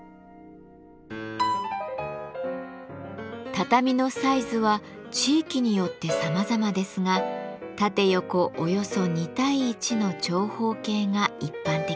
畳のサイズは地域によってさまざまですが縦横およそ２対１の長方形が一般的です。